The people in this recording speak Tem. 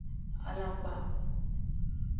Alakpa.